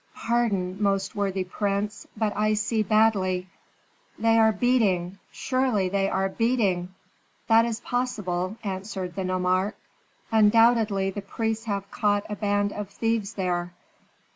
"Pardon, most worthy prince, but I see badly." "They are beating surely they are beating!" "That is possible," answered the nomarch. "Undoubtedly the priests have caught a band of thieves there."